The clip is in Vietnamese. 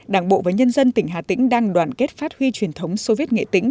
đảng bộ và nhân dân tỉnh hà tĩnh đang đoàn kết phát huy truyền thống soviet nghệ tĩnh